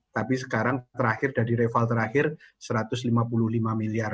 tapi sekarang terakhir dari rival terakhir rp satu ratus lima puluh lima miliar